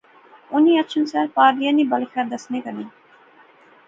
انی اچھن سار پارلیاں نی بل خیر دسے کنے